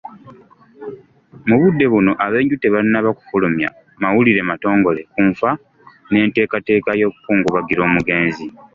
Mu budde buno ab'enju tebannaba kufulumya mawulire matongole ku nfa n'enteekateeka y'okukungubagira omugenzi.